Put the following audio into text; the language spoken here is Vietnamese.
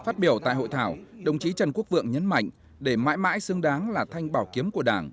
phát biểu tại hội thảo đồng chí trần quốc vượng nhấn mạnh để mãi mãi xứng đáng là thanh bảo kiếm của đảng